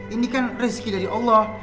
ini kan rezeki dari allah